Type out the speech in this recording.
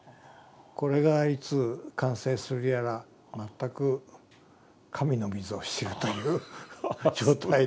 これがいつ完成するやら全く神のみぞ知るという状態です。